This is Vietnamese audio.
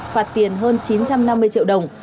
phạt tiền hơn chín trăm năm mươi triệu đồng